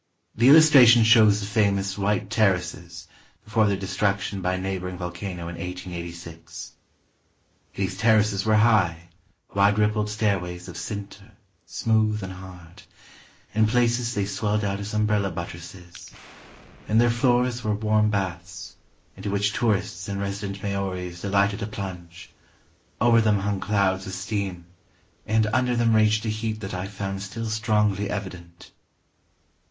The illustration shows the famous White Terraces, before their destruction by a neighboring volcano in 1886. "These terraces were high, wide rippled stairways of sinter, smooth and hard. In places they swelled out as umbrella buttresses. In their floors were warm baths, into which tourists and resident Maoris delighted to plunge; over them hung clouds of steam, and under them raged a heat that I found still strongly evident."